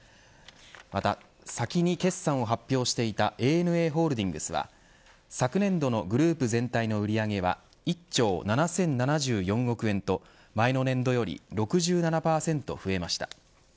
また、先に決算を発表していたＡＮＡホールディングスは昨年度のグループ全体の売り上げは１兆７０７４億円と前の年度より６７％増えました。